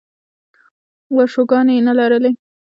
ورشوګانې یې نه لرلې.